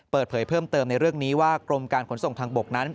เปิดเผยเพิ่มเติมในเรื่องนี้ว่ากรมการขนส่งทางบกนั้น